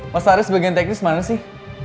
mas aris bagian teknis mana sih